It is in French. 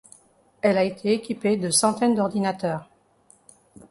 Elle a été équipée de centaines d'ordinateurs.